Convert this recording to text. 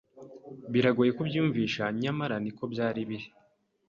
Biragoye kubyiyumvisha nyamara niko byari biri